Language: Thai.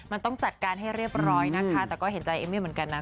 มันต้องจัดการให้เรียบร้อยนะคะแต่ก็เห็นใจเอมมี่เหมือนกันนะ